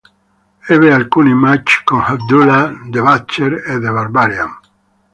Ebbe alcuni match con Abdullah the Butcher e The Barbarian.